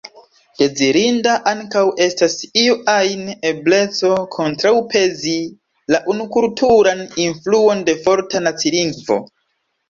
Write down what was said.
Dezirinda ankaŭ estas iu ajn ebleco kontraŭpezi la unukulturan influon de forta nacilingvo.